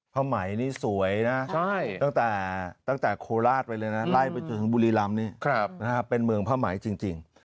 ผ้าไหมนี่สวยนะตั้งแต่โคราชไปเลยนะไล่ไปจนถึงบุรีรำนี่เป็นเมืองผ้าไหมจริง